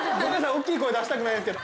大きい声出したくないですけど。